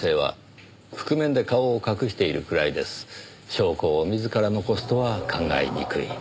証拠を自ら残すとは考えにくい。